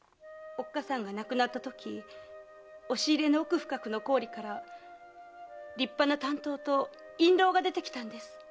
おっかさんが亡くなったとき押し入れの奥深くの行李から立派な短刀と印籠が出てきたんです。